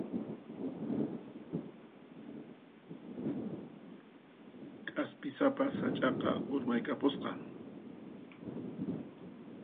K'aspisapa sach'aqa urmaykapusqa.